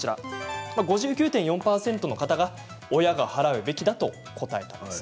５９．４％の方が親が払うべきだと答えました。